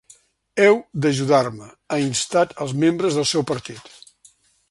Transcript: Heu d’ajudar-me, ha instat als membres del seu partit.